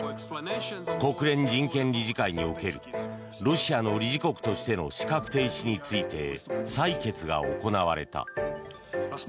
国連人権理事会におけるロシアの理事国としての資格停止について採決が行われた。